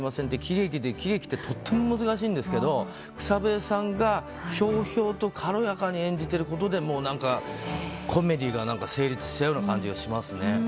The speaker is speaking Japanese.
って喜劇で、喜劇ってとっても難しいんですけど、草笛さんがひょうひょうと、軽やかに演じてることで、なんかコメディーが成立したような感じがしますね。